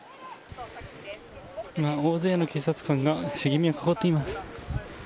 大勢の警察官が茂みをかこっています。